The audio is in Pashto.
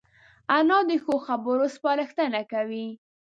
انا د ښو خبرو سپارښتنه کوي